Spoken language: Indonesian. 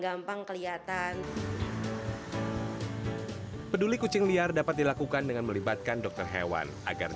gampang kelihatan peduli kucing liar dapat dilakukan dengan melibatkan dokter hewan agar